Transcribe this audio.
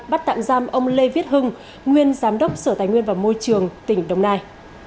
bắt tạm giam ông lê viết hưng nguyên giám đốc sở tài nguyên và môi trường tỉnh đồng nai